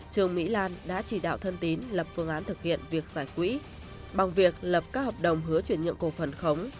trương mỹ lan đã chỉ đạo thân tín lập phương án thực hiện việc giải quỹ bằng việc lập các hợp đồng hứa chuyển nhượng cổ phần khống